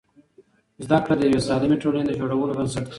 زده کړه د یوې سالمې ټولنې د جوړولو بنسټ دی.